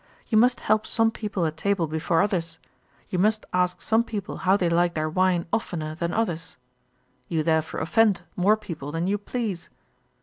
You must help some people at table before others; you must ask some people how they like their wine oftener than others. You therefore offend more people than you please.